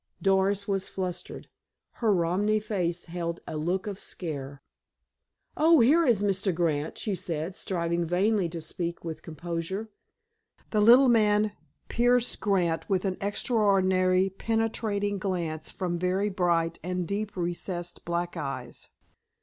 Doris was flustered. Her Romney face held a look of scare. "Oh, here is Mr. Grant!" she said, striving vainly to speak with composure. The little man pierced Grant with an extraordinarily penetrating glance from very bright and deeply recessed black eyes.